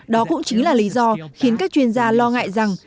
đó cũng chính là lý do khiến các chuyên gia lo ngại rằng